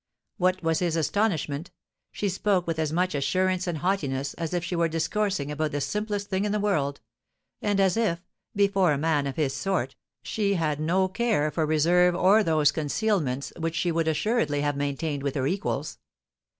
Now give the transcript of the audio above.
What was his astonishment! She spoke with as much assurance and haughtiness as if she were discoursing about the simplest thing in the world; and as if, before a man of his sort, she had no care for reserve or those concealments which she would assuredly have maintained with her equals.